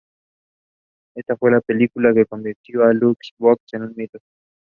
There she brought out her first own productions.